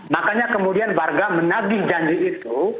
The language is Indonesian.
makanya kemudian warga menagih janji itu